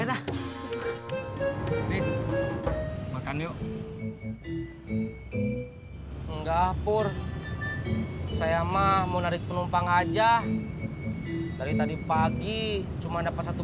terus makan yuk enggak pur saya mah mau narik penumpang aja dari tadi pagi cuma dapat satu